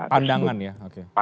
pandangan ya oke